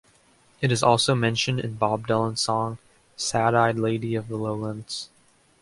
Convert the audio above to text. It is also mentioned in Bob Dylan's song "Sad Eyed Lady of the Lowlands".